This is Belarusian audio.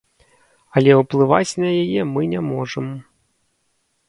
Але ўплываць на яе мы не можам.